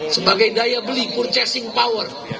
sebagai daya beli purchasing power